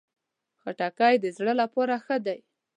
خټکی د زړه لپاره ښه ده.